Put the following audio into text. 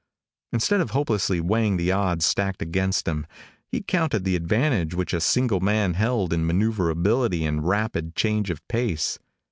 Instead of hopelessly weighing the odds stacked against him, he counted the advantage which a single man held in maneuverability and rapid change of pace.